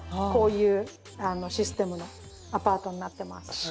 こういうシステムのアパートになってます。